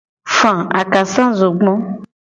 Fa akasazogbo.